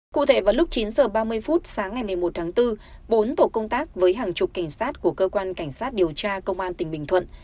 cụ thể vào lúc chín h ba mươi phút sáng ngày một mươi một tháng bốn bốn tổ công tác với hàng chục cảnh sát của cơ quan cảnh sát điều tra công an tỉnh bình thuận